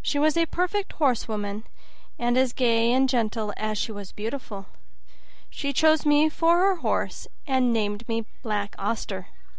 She was a perfect horsewoman, and as gay and gentle as she was beautiful. She chose me for her horse, and named me "Black Auster".